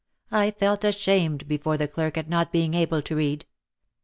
I felt ashamed be fore the clerk at not being able to read.